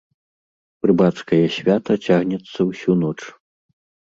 Рыбацкае свята цягнецца ўсю ноч.